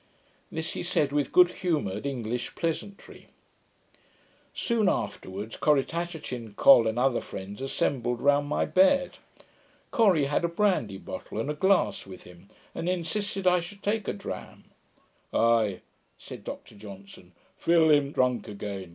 This he said with good humoured English pleasantry. Soon afterwards, Corrichatachin, Col, and other friends assembled round my bed. Corri had a brandy bottle and glass with him, and insisted I should take a dram. 'Ay,' said Dr Johnson, 'fill him drunk again.